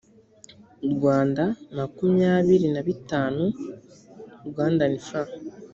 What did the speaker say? rwanda makumyabiri na bitanu frw